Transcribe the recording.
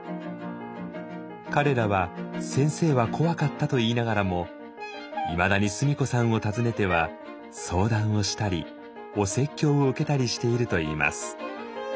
彼らは「先生は怖かった」と言いながらもいまだに須美子さんを訪ねては相談をしたりお説教を受けたりしているといいます。